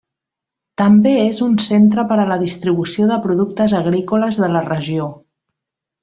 També és un centre per a la distribució dels productes agrícoles de la regió.